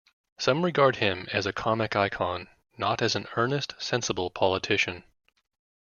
Some regard him as a comic icon, not as an earnest, sensible politician.